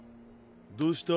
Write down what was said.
どうした？